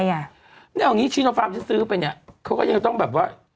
นี่เอาอย่างนี้ชิโนฟาร์มซื้อไปเนี่ยเขาก็ยังต้องแบบว่า